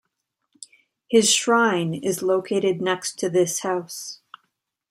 His shrine is located next to this house.